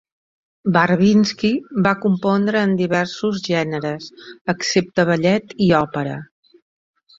Barvinsky va compondre en diversos gèneres, excepte ballet i òpera.